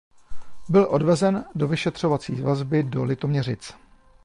Byl odvezen do vyšetřovací vazby do Litoměřic.